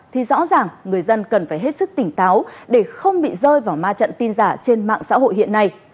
thì rõ ràng người dân cần phải hết sức tỉnh táo để không bị rơi vào ma trận tin giả trên mạng xã hội hiện nay